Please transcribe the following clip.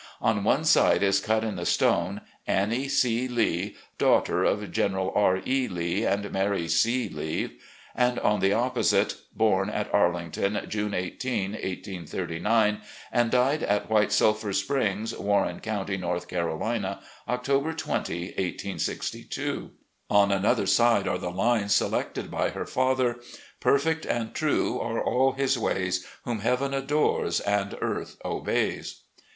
On one side is cut in the stone, ' Annie C. Lee, daughter of General R. E. Lee and Mary C. Lee' — and on the opposite — 'Bom at Arlington, June i8, 1839, and died at White Sulphur Springs, Warren County, North Carolina, Oct. 20, 1862.' On another side are the lines selected by her father, '"Perfect and true are all His ways Whom heaven adores and earth obeys.